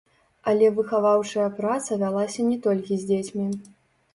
Але выхаваўчая праца вялася не толькі з дзецьмі.